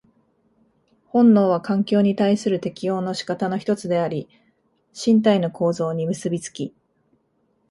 本能は環境に対する適応の仕方の一つであり、身体の構造に結び付き、